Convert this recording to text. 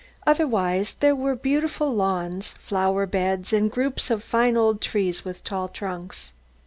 Otherwise there were beautiful lawns, flower beds and groups of fine old trees with tall trunks.